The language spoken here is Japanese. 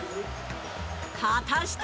果たして？